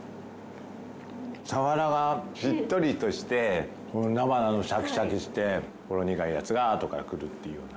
サワラがしっとりとしてこの菜花がシャキシャキしてほろ苦いやつがあとから来るっていうような。